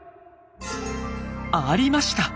ありました！